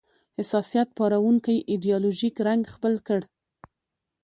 حساسیت پاروونکی ایدیالوژیک رنګ خپل کړ